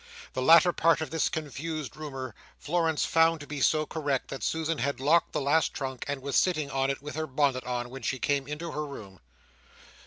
The latter part of this confused rumour, Florence found to be so correct, that Susan had locked the last trunk and was sitting upon it with her bonnet on, when she came into her room.